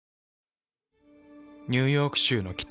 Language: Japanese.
ニューヨーク州の北。